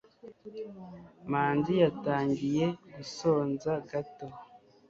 manzi yatangiye gusonza gato